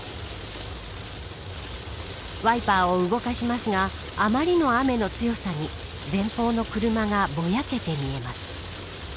ワイパーを動かしますがあまりの雨の強さに前方の車がぼやけて見えます。